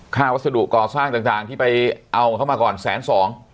วัสดุก่อสร้างต่างที่ไปเอาเข้ามาก่อนแสนสอง